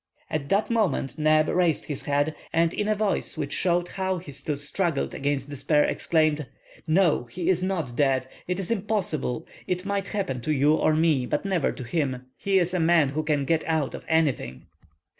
At that moment Neb raised his head, and in a voice which showed how he still struggled against despair, exclaimed:— "No, he is not dead. It is impossible. It might happen to you or me, but never to him. He is a man who can get out of anything!"